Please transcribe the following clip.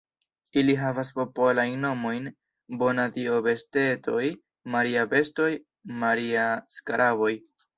Ili havas popolajn nomojn: Bona-Dio-bestetoj, Maria-bestoj, Maria-skaraboj.